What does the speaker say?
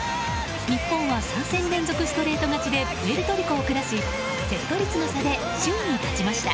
日本は３戦連続ストレート勝ちでプエルトリコを下しセット率の差で首位に立ちました。